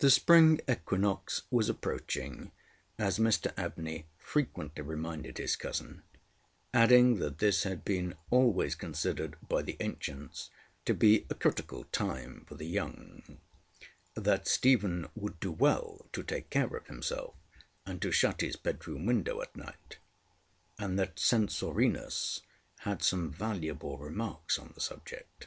The spring equinox was approaching, as Mr Abney frequently reminded his cousin, adding that this had been always considered by the ancients to be a critical time for the young: that Stephen would do well to take care of himself, and to shut his bedroom window at night; and that Censorinus had some valuable remarks on the subject.